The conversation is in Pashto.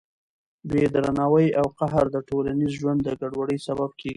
بې درناوي او قهر د ټولنیز ژوند د ګډوډۍ سبب کېږي.